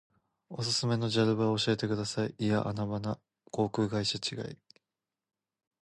おすすめのジャル場を教えてください。いやアナ場な。航空会社違い。